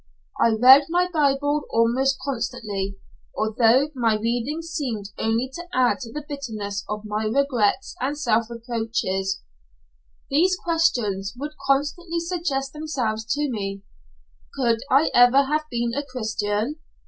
I read my bible almost constantly, although my reading seemed only to add to the bitterness of my regrets and self reproaches. These questions would constantly suggest themselves to me: "Could I ever have been a Christian?"